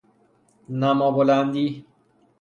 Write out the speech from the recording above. نما بلندی